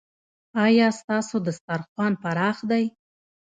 ایا ستاسو دسترخوان پراخ دی؟